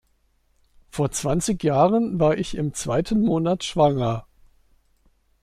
Vor zwanzig Jahren war ich im zweiten Monat schwanger.